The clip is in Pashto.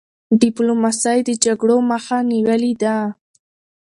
ډيپلوماسی د جګړو مخه نیولې ده.